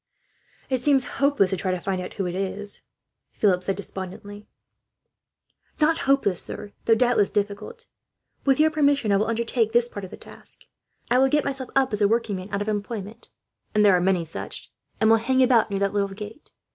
"It seems hopeless to try to find out who it is," Philip said despondently. "Not hopeless, sir, though doubtless difficult. With your permission, I will undertake this part of the task. I will get myself up as a workman out of employment and there are many such and will hang about near that little gate.